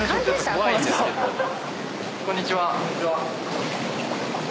こんにちは。